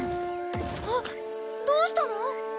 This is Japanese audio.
あっどうしたの！？